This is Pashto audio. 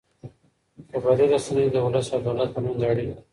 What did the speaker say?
خبري رسنۍ د ولس او دولت ترمنځ اړیکه ده.